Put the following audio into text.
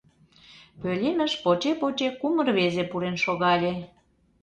Пӧлемыш поче-поче кум рвезе пурен шогале.